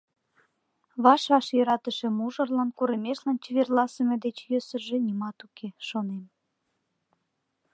Ваш-ваш йӧратыше мужырлан курымешлан чеверласыме деч йӧсыжӧ нимат уке, шонем.